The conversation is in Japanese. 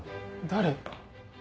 誰？